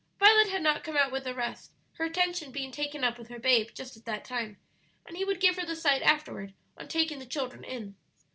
Violet had not come out with the rest, her attention being taken up with her babe just at that time, and he would give her the sight afterward on taking the children in.